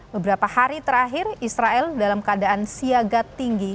beberapa hari terakhir israel dalam keadaan siaga tinggi